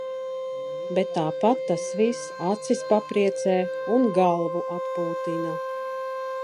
Bet tāpat tas viss acis papriecē un galvu atpūtina.